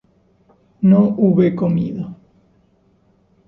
No hube comido